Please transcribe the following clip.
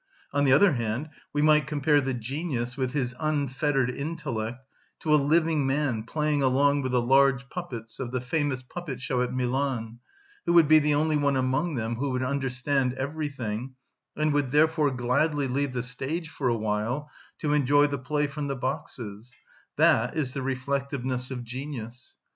On the other hand, we might compare the genius, with his unfettered intellect, to a living man playing along with the large puppets of the famous puppet‐show at Milan, who would be the only one among them who would understand everything, and would therefore gladly leave the stage for a while to enjoy the play from the boxes;—that is the reflectiveness of genius.